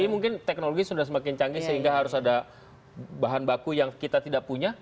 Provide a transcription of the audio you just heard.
mungkin teknologi sudah semakin canggih sehingga harus ada bahan baku yang kita tidak punya